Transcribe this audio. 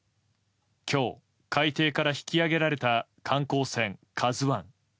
今日、海底から引き揚げられた観光船「ＫＡＺＵ１」。